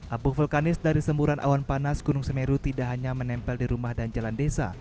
abu vulkanis dari semburan awan panas gunung semeru tidak hanya menempel di rumah dan jalan desa